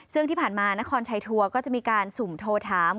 ซึ่งที่ผ่านมานครชัยทัวร์ก็จะมีการสุ่มโทรถาม